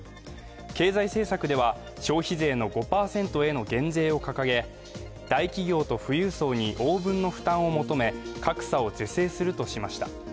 経済政策では、消費税の５％への減税を掲げ大企業と富裕層に応分の負担を求め格差を是正するとしました。